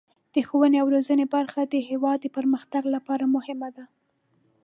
د ښوونې او روزنې برخه د هیواد د پرمختګ لپاره مهمه ده.